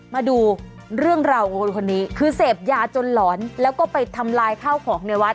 มาดูเรื่องราวของคนคนนี้คือเสพยาจนหลอนแล้วก็ไปทำลายข้าวของในวัด